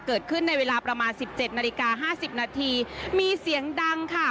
เกิดขึ้นในเวลาประมาณ๑๗นาฬิกา๕๐นาทีมีเสียงดังค่ะ